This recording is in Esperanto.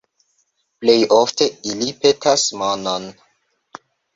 Plej ofte ili petas monon.